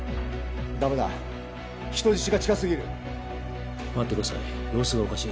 ダメだ人質が近すぎる待ってください様子がおかしい